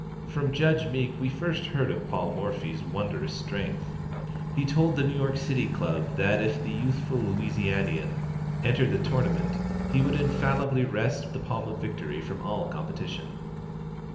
From Judge Meek we first heard of Paul Morphy's wondrous strength. He told the New York Club that if the youthful Louisianian entered the tournament, he would infallibly wrest the palm of victory from all competition.